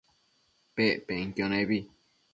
Pec penquio nebi